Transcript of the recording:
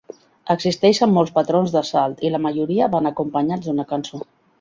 Existeixen molts patrons de salt i la majoria van acompanyats d'una cançó.